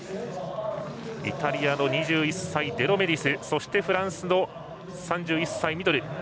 イタリアの２１歳デロメディスそしてフランスの３１歳、ミドル。